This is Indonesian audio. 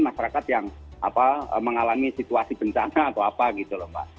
masyarakat yang mengalami situasi bencana atau apa gitu loh mbak